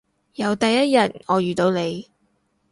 由第一日我遇到你